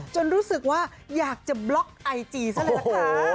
รู้สึกว่าอยากจะบล็อกไอจีซะเลยล่ะค่ะ